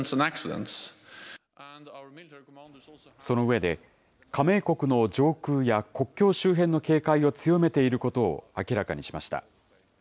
その上で、加盟国の上空や国境周辺の警戒を強めていることを明らかにしました。